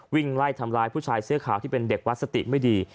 วิ่งไล่ทำร้ายผู้ชายเสื้อขาวที่เป็นเด็กวัดสติไม่ดี